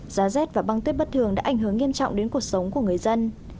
giá rét và băng tuyết bất thường đã ảnh hưởng nghiêm trọng đến cuộc sống của người dân